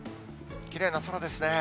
きれいな空ですね。